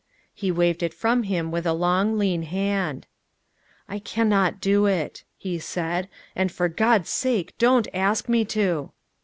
He waved it from him with a long, lean hand. "I can not do it," he said; "and, for God's sake, don't ask me to!"